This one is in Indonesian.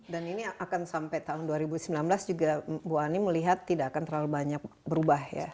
dan ini akan sampai tahun dua ribu sembilan belas juga bu ani melihat tidak akan terlalu banyak berubah ya